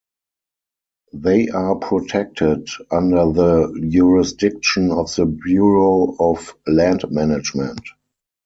They are protected under the jurisdiction of the Bureau of Land Management.